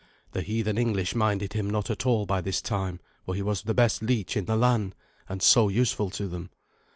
The heathen English minded him not at all by this time, for he was the best leech in the land, and so useful to them.